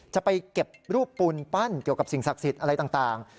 จะไปเก็บรูปปูนปั้นเกี่ยวกับสิ่งศักดิ์สิทธิ์อะไรต่าง